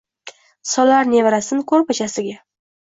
solar nevarasin koʼrpachasiga.